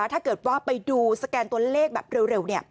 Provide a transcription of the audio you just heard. ถ้าเกิดว่าไปดูสแกนตัวเลขแบบเร็ว